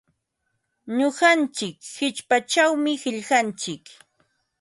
Nuqantsik qichpachawmi qillqantsik.